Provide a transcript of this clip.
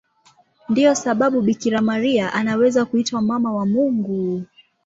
Ndiyo sababu Bikira Maria anaweza kuitwa Mama wa Mungu.